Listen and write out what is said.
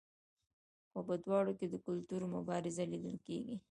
خو په دواړو کې د کلتور مبارزه لیدل کیږي.